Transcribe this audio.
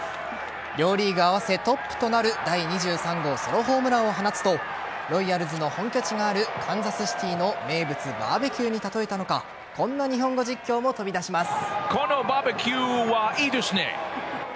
両リーグ合わせトップとなる第２３号ソロホームランを放つとロイヤルズの本拠地があるカンザスシティーの名物・バーベキューに例えたのかこんな日本語実況も飛び出します。